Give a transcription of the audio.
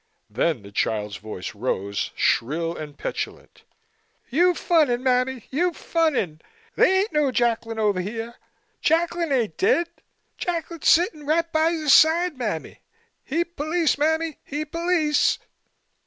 Then the child's voice rose, shrill and petulant. "You funning, mammy, you funning. They ain't no Jacklin over here. Jacklin ain' dead. Jacklin sittin' right by yo' side, mammy. He police, mammy, he police."